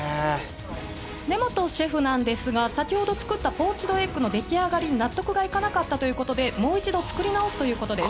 根本シェフなんですが先ほど作ったポーチドエッグのできあがりに納得がいかなかったということでもう一度作り直すということです